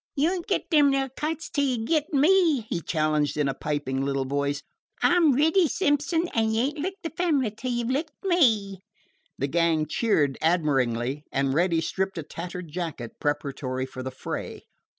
"You don't git them there kites till you git me," he challenged in a piping little voice. "I 'm 'Reddy' Simpson, an' you ain't licked the fambly till you 've licked me." The gang cheered admiringly, and Reddy stripped a tattered jacket preparatory for the fray.